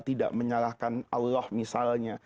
tidak menyalahkan allah misalnya